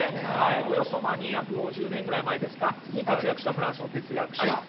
およそ２５０年ぐらい前ですか？に活躍したフランスの哲学者。